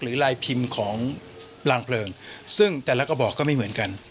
ลายพิมพ์ของรางเพลิงซึ่งแต่ละกระบอกก็ไม่เหมือนกัน